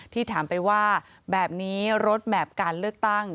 ที่ถามไปว่าแบบนี้รถแมพการเลือกตั้ง